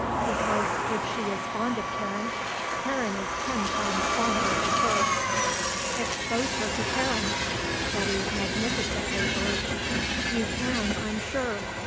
Because, if she is fond of Karen, Karen is ten times fonder of her." "Expose her to Karen!" Betty magnificently urged. "You can I'm sure.